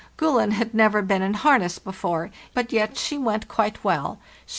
'Gulen' had never been in harness before, but yet she went quite well; she was zc ASAE